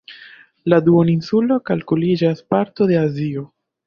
La duoninsulo kalkuliĝas parto de Azio.